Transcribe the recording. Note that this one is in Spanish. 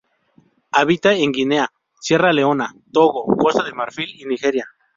Habita en Guinea, Sierra Leona, Togo, Costa de Marfil y Nigeria.